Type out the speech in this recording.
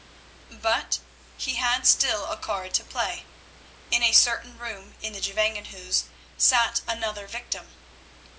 But he had still a card to play. In a certain room in the Gevangenhuis sat another victim.